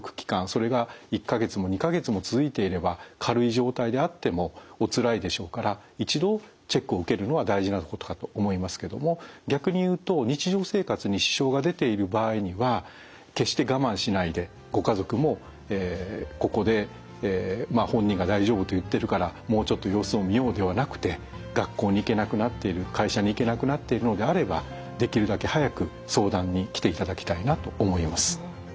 それが１か月も２か月も続いていれば軽い状態であってもおつらいでしょうから一度チェックを受けるのは大事なことかと思いますけども逆に言うと日常生活に支障が出ている場合には決して我慢しないでご家族もここで本人が大丈夫と言ってるからもうちょっと様子を見ようではなくて学校に行けなくなっている会社に行けなくなっているのであればできるだけ早く相談に来ていただきたいなと思います。